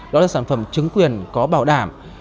đó là sản phẩm chứng quyền có bảo đảm